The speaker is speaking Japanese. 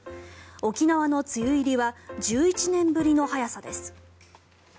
沖縄の梅雨入りは１１年ぶりの早さです。